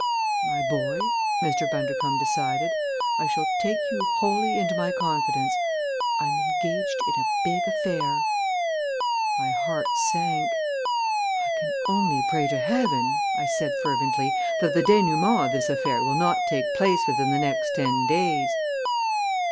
"My boy," Mr. Bundercombe decided, "I shall take you wholly into my confidence. I am engaged in a big affair!" My heart sank. "I can only pray to Heaven," I said fervently, "that the dénouement of this affair will not take place within the next ten days."